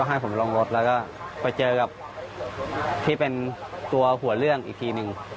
ให้ผมลงรถแล้วก็ไปเจอกับที่เป็นตัวหัวเรื่องอีกทีหนึ่ง